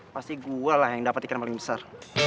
pasti gue lah yang dapet ikan paling besar